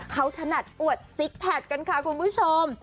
เขาถนัดอวดซิกแพคกันค่ะคุณผู้ชม